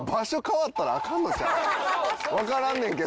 わからんねんけど。